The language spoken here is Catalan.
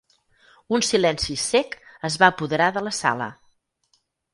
Un silenci cec es va apoderar de la sala.